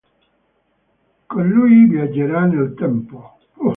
Con lui viaggerà nel tempo.